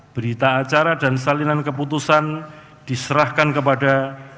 berita acara dan salinan keputusan diserahkan kepada